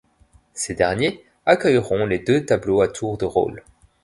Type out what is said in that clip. Ces derniers accueilleront les deux tableaux à tour de rôle.